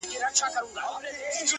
• بازارونه مالامال دي له رنګونو ,